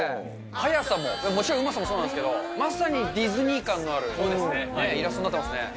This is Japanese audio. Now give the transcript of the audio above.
速さも、もちろんうまさもそうなんですけれども、まさにディズニー感があるイラストになってます